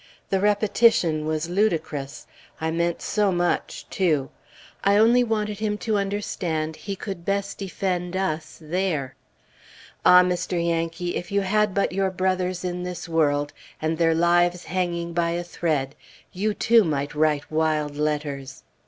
The repetition was ludicrous. I meant so much, too! I only wanted him to understand he could best defend us there. Ah! Mr. Yankee! if you had but your brothers in this world, and their lives hanging by a thread, you too might write wild letters!